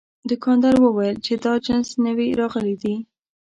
دوکاندار وویل چې دا جنس نوي راغلي دي.